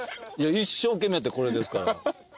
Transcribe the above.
一生懸命やってこれですから。